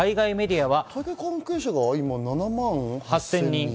大会関係者は今７万８０００人。